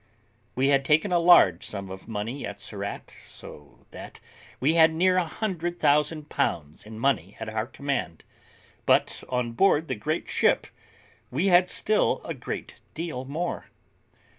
We had taken a large sum of money at Surat, so that we had near a hundred thousand pounds in money at our command, but on board the great ship we had still a great deal more.